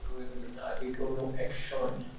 আজই কোনো একসময়!